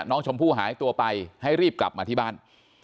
น้องชมพู่หายตัวไปให้รีบกลับมาที่บ้าน